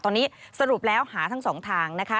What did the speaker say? ตอนนี้สรุปแล้วหาทั้งสองทางนะคะ